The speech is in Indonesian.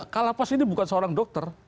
kalapas ini bukan seorang dokter